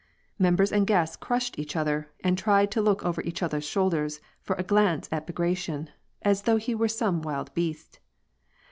Members and guests crushed each other, and tried to look over each others' shoulders for a glance at Bagra tion, as though he were some wild beast.